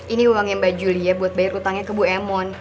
ini uangnya mbak juli ya buat bayar utangnya ke bu emon